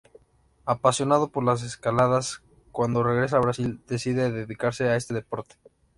Apasionado por las escaladas, cuando regresa a Brasil decide dedicarse a este deporte.